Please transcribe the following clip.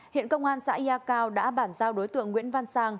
hiện công an xã yà cao đã bản giao đối tượng nguyễn văn sang